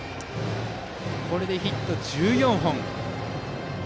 これでヒット１４本。